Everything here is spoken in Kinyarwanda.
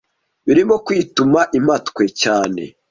birimo kwituma impatwe cyane